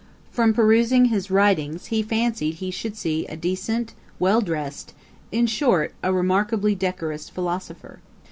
From perusing his writings, he fancied he should see a decent, well drest, in short, a remarkably decorous philosopher.